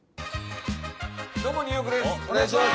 どうもニューヨークです。